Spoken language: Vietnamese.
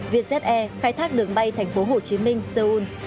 vietjet air khai thác đường bay tp hcm seoul